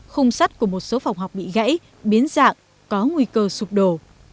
khung sắt của một số phòng học bị gãy biến dạng có nguy cơ sụp đổ